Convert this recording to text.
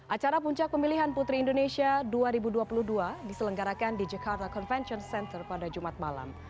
acara puncak pemilihan putri indonesia dua ribu dua puluh dua diselenggarakan di jakarta convention center pada jumat malam